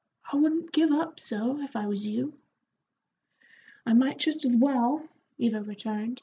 "I wouldn't give up so, if I was you." "I might jest as well," Eva returned.